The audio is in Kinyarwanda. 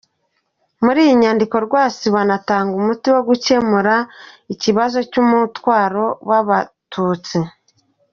Muri iyi Nyandiko Rwasibo anatanga umuti wo gukemura ikibazo cy’Umutwaro w’Abatutsi.